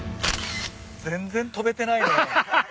全然跳べてない。